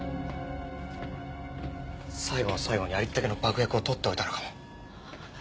最後の最後にありったけの爆薬を取っておいたのかも。